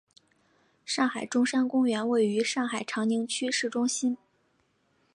上海中山公园位于上海长宁区市中心。